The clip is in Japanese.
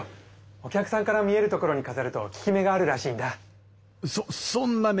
お客さんから見えるところにかざると効き目があるらしいんだ。